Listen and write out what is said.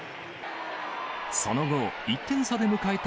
その後、１点差で迎えた